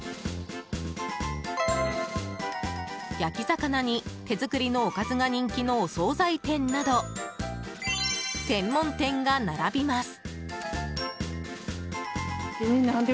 焼き魚に手作りのおかずが人気のお総菜店など専門店が並びます。